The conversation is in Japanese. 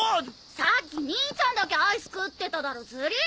さっき兄ちゃんだけアイス食ってただろずりぃ！